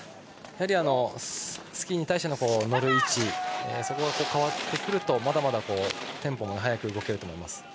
やはり、スキーに対して乗る位置そこが変わってくるとまだまだテンポも速く動けると思います。